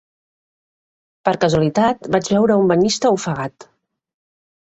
Per casualitat, vaig veure un banyista ofegat